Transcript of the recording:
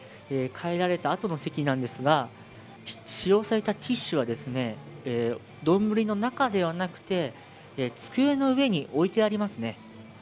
帰られたあとの席なんですが使用されたティッシュをどんぶりの中ではなくて机の上に置いてありますね。